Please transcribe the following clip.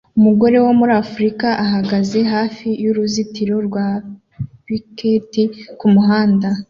Umugore wo muri Afurika uhagaze hafi y'uruzitiro rwa piketi kumuhanda